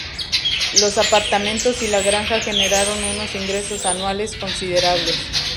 Los apartamentos y la granja generaron unos ingresos anuales considerables.